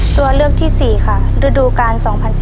ตัวเลือกที่๔ค่ะฤดูกาล๒๐๑๙